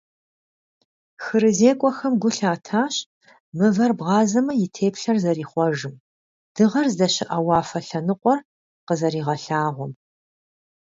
ХырызекӀуэхэм гу лъатащ, мывэр бгъазэмэ и теплъэр зэрихъуэжым, дыгъэр здэщыӀэ уафэ лъэныкъуэр къызэригъэлъагъуэм.